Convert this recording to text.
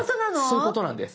そういうことなんです。